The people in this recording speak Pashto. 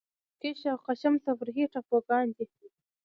کیش او قشم تفریحي ټاپوګان دي.